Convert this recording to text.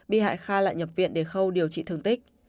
bị hại kha lại nhập viện để khâu điều trị thương tích